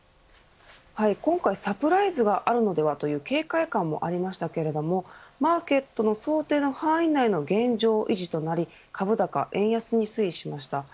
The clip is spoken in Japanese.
今回サプライズがあるのではという警戒感もありましたけれどもマーケットの想定の範囲内の現状維持となり株高、円安に推移しました。